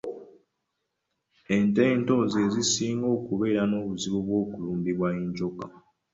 Ente ento ze zisinga okubeera n’obuzibu bw’okulumbibwa enjoka.